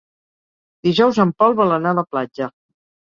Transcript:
Dijous en Pol vol anar a la platja.